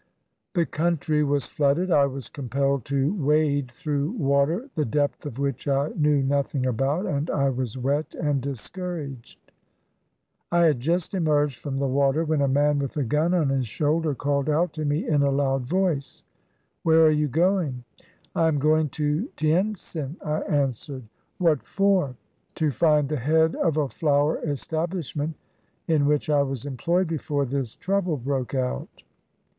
The country was flooded. I was compelled to wade through water the depth of which I knew nothing about, and I was wet and discouraged. I had just emerged from the water when a man with a gun on his shoulder called out to me in a loud voice, — ''Where are you going?" "I am going to Tientsin," I answered. "What for?" "To find the head of a flower establishment in which I was employed before this trouble broke out."